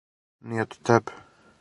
Ни од тебе.